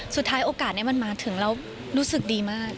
สุดท้ายโอกาสนี้มันมาถึงเรารู้สึกดีมาก